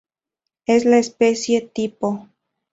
Es la especie tipo.